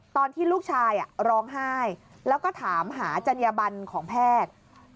ตอนที่ลูกชายร้องไห้แล้วก็ถามหาจัญญบันของแพทย์